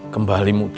kembali muda noh